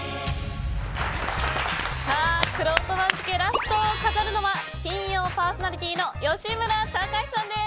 くろうと番付ラストを飾るのは金曜パーソナリティーの吉村崇さんです！